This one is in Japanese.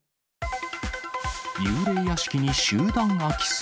幽霊屋敷に集団空き巣。